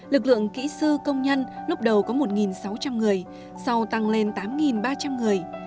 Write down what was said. lực lượng kỹ sư công nhân lúc đầu có một sáu trăm linh người sau tăng lên tám ba trăm linh người